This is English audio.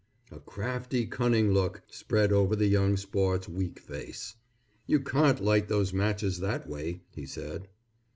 A crafty, cunning look, spread over the young sport's weak face. "You can't light those matches that way," he said.